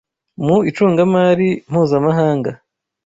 mu icungamari mpuzamahanga